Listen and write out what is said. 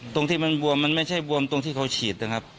ตรงที่มันบวมมันไม่ใช่บวมตรงที่เขาฉีดนะครับ